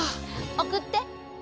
送って。